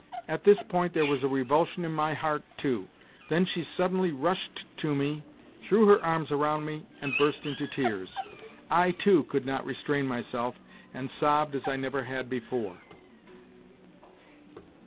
... At this point there was a revulsion in my heart, too. Then she suddenly rushed to me, threw her arms round me and burst into tears. I, too, could not restrain myself, and sobbed as I never had before.